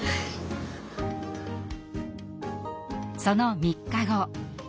その３日後。